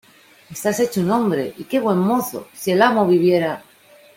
¡Estás hecho un hombre! ¡Y qué buen mozo! ¡Si el amo viviera!